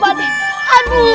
pak d kenapa pak d